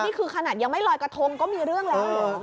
นี่คือขนาดยังไม่ลอยกระทงก็มีเรื่องแล้วเหรอ